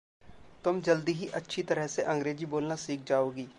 तुम जल्दी ही अच्छी तरह से अंग्रेज़ी बोलना सीख जाओगी।